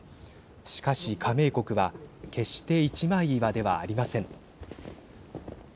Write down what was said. しかし、加盟国は決して一枚岩ではありません。